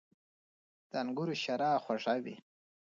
• د انګورو شیره خوږه وي.